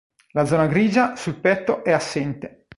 La zona grigia sul petto è assente.